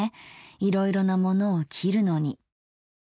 いろいろなものを切るのに。